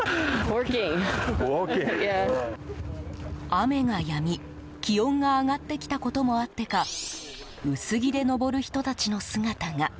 雨がやみ、気温が上がってきたこともあってか薄着で登る人たちの姿が。